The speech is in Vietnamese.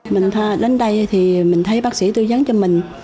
mình đến đây thì mình thấy bác sĩ tư vấn cho mình